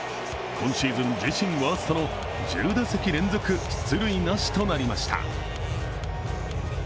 今シーズン自身ワーストの１０打席連続出塁なしとなりました。